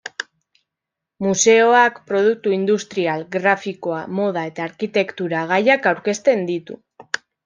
Museoak produktu-industrial, grafikoa, moda eta arkitektura gaiak aurkezten ditu.